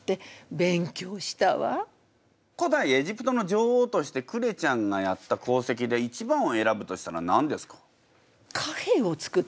古代エジプトの女王としてクレちゃんがやった功績で一番を選ぶとしたら何ですか？